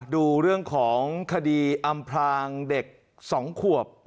ดูเรื่องของคดีอำพลางเด็ก๒ขวบ